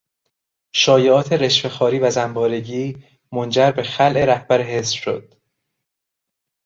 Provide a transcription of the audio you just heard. شایعات رشوهخواری و زنبارگی منجر به خلع رهبر حزب شد.